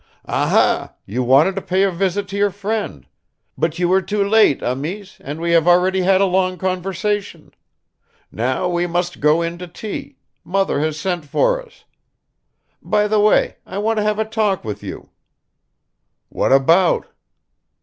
"Aha, you wanted to pay a visit to your friend; but you were too late, amice, and we have already had a long conversation. Now we must go in to tea; mother has sent for us. By the way, I want to have a talk with you." "What about?"